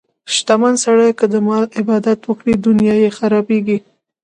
شتمن سړی که د مال عبادت وکړي، دنیا یې خرابېږي.